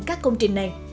các công trình này